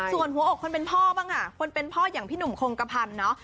ส่วนหัวอกคนเป็นพ่อบ้างค่ะคนเป็นพ่ออย่างพี่หนุ่มคงกระพันธ์เนาะ